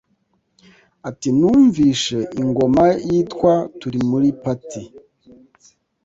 Ati numvishe ingoma yitwa turi muri party